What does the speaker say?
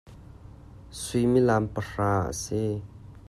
Suimilam pahra a si.